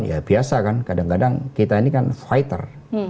ya biasa kan kadang kadang kita ini kan fighter